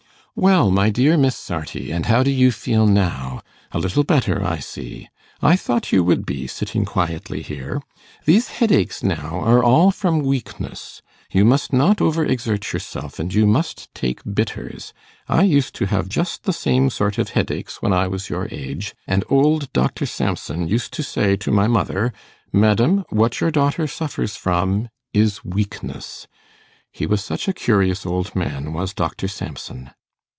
'Well, my dear Miss Sarti, and how do you feel now? a little better, I see. I thought you would be, sitting quietly here. These headaches, now, are all from weakness. You must not over exert yourself, and you must take bitters. I used to have just the same sort of headaches when I was your age, and old Dr Samson used to say to my mother, "Madam, what your daughter suffers from is weakness." He was such a curious old man, was Dr Samson.